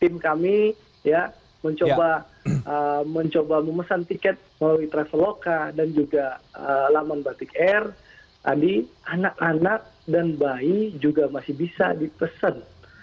tim kami ya mencoba memesan tiket melalui traveloka dan juga laman batik air tadi anak anak dan bayi juga masih bisa dipesan